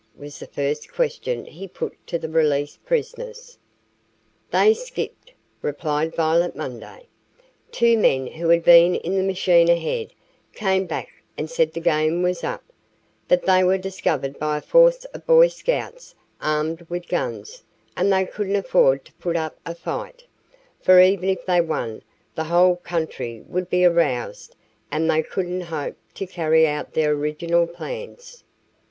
was the first question he put to the released prisoners. "They skipped," replied Violet Munday. "Two men who had been in the machine ahead came back and said the game was up, that they were discovered by a force of Boy Scouts armed with guns and they couldn't afford to put up a fight, for even if they won, the whole country would be aroused and they couldn't hope to carry out their original plans.